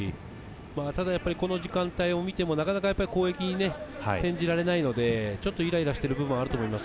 ただ、この時間帯を見ても、なかなか攻撃に転じられないので、ちょっとイライラしている部分もあると思います。